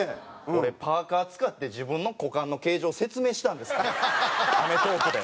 俺パーカ使って自分の股間の形状を説明したんですから『アメトーーク』で。